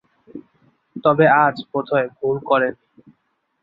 তবে আজ বোধহয় ভুল করে নি।